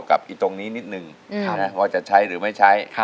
กับอีกตรงนี้นิดหนึ่งว่าจะใช้หรือไม่ใช้